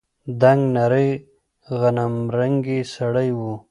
دنګ نرى غنمرنگى سړى و.